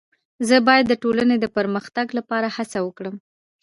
زه باید د ټولني د پرمختګ لپاره هڅه وکړم.